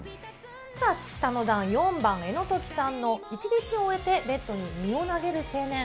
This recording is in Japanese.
下の段、４番、江野兎季さんの１日を終えてベッドに身を投げる青年。